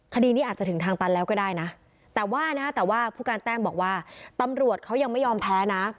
คดีนี้อาจจะถึงทางตันแล้วก็ได้นะแต่ว่านะแต่ว่าผู้การแต้มบอกว่าตำรวจเขายังไม่ยอมแพ้นะ